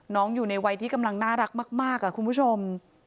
อยู่ในวัยที่กำลังน่ารักมากคุณผู้ชม